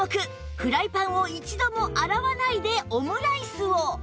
フライパンを一度も洗わないでオムライスを